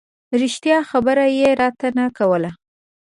رښتیا خبره یې راته نه کوله.